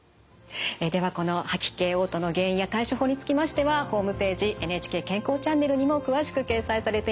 ではこの吐き気・おう吐の原因や対処法につきましてはホームページ「ＮＨＫ健康チャンネル」にも詳しく掲載されています。